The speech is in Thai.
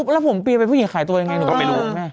แล้วผมเปียเป็นผู้หญิงขายตัวยังไงหนู